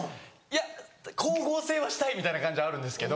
いや光合成はしたいみたいな感じあるんですけど。